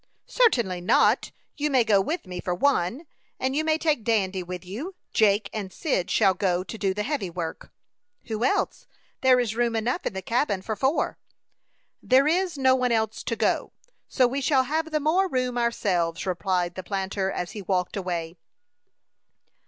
"Certainly not; you may go with me for one, and you may take Dandy with you. Jake and Cyd shall go to do the heavy work." "Who else? There is room enough in the cabin for four." "There is no one else to go. So we shall have the more room ourselves," replied the planter, as he walked away.